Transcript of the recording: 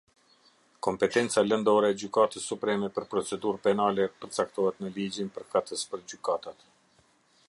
Kompetenca lëndore e Gjykatës Supreme për procedurë penale përcaktohet në Ligjin përkatës për Gjykatat.